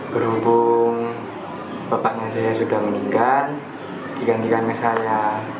berhubung bapaknya saya sudah meninggal digantikan ke saya